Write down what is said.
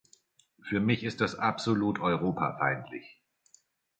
Für mich ist das absolut europafeindlich.